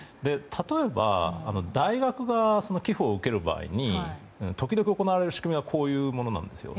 例えば大学が寄付を受ける場合に時々、行われる仕組みはこういうものなんですよ。